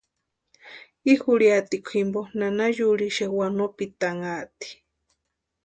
I jurhiatikwa jimpo nana yurhixe wanopitanhaati.